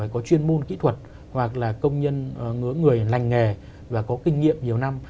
còn kỹ thuật hoặc là công nhân người lành nghề và có kinh nghiệm nhiều năm